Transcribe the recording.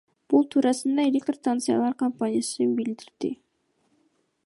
Бул туурасында Электр станциялар компаниясы билдирди.